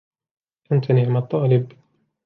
أنت نِعْمَ الطالب.